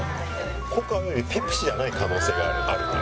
コカ及びペプシじゃない可能性があるのよ。